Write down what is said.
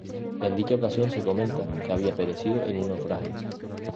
En dicha ocasión se comenta que había perecido en un naufragio.